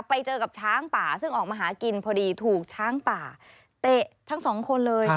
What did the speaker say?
ไปเจอกับช้างป่าซึ่งออกมาหากินพอดีถูกช้างป่าเตะทั้งสองคนเลย